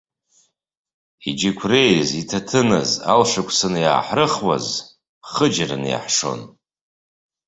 Иџьықәреиз, иҭаҭыныз, алшықәсанык иааҳрыхуаз, хыџьараны иаҳшон.